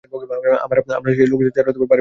আমরা সেই লোক যারা বাড়ি ফেরার চেষ্টা করছে।